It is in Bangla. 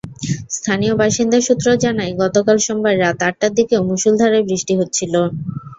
স্থানীয় বাসিন্দা সূত্র জানায়, গতকাল সোমবার রাত আটটার দিকেও মুষলধারায় বৃষ্টি হচ্ছিল।